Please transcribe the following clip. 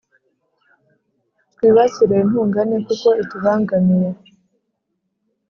Twibasire intungane kuko itubangamiye,